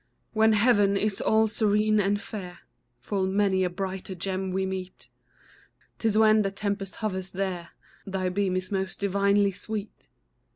When heaven is all serene and fair, Full many a brighter gem we meet; 'Tis when the tempest hovers there, Thy beam is most divinely sweet.